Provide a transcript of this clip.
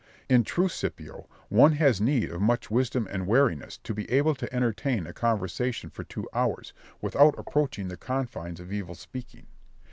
In truth, Scipio, one had need of much wisdom and wariness to be able to entertain a conversation for two hours, without approaching the confines of evil speaking.